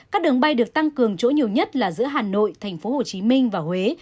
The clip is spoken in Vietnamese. các đường bay được tăng cường chỗ nhiều nhất là giữa hà nội tp hcm và huế